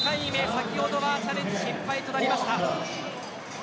先ほどはチャレンジ失敗となりました。